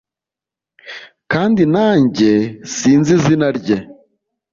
kandi nanjye sinzi izina rye